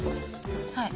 はい。